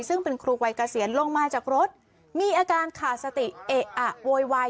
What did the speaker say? ซึ่งเป็นครูวัยเกษียณลงมาจากรถมีอาการขาดสติเอะอะโวยวาย